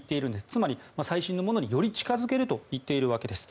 つまり最新のものにより近づけるといっているわけです。